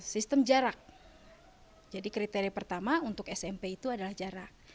sistem jarak jadi kriteria pertama untuk smp itu adalah jarak